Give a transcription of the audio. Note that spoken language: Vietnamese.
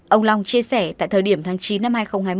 ông long chia sẻ tại thời điểm tháng chín năm hai nghìn hai mươi